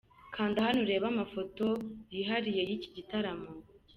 Kanda hano urebe amafoto yihariye y’iki gitaramo.